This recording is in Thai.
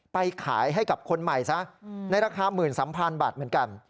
ไปขายให้กับคนใหม่ซะในราคา๑๓๐๐๐บาทเหมือนกัน